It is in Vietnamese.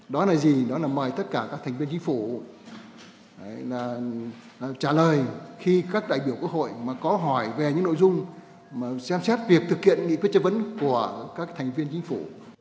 đó là gì đó là mời tất cả các thành viên chính phủ là trả lời khi các đại biểu quốc hội mà có hỏi về những nội dung mà xem xét việc thực hiện nghị quyết chất vấn của các thành viên chính phủ